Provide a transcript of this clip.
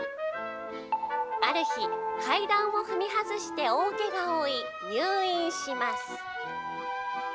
ある日、階段を踏み外して大けがを負い、入院します。